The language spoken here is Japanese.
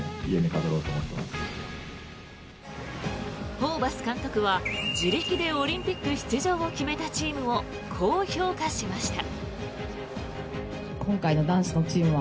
ホーバス監督は自力でオリンピック出場を決めたチームをこう評価しました。